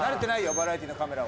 バラエティーのカメラは。